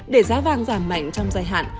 để giá vàng giảm mạnh trong dài hạn